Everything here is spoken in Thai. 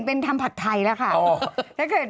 เอาอะไรเลย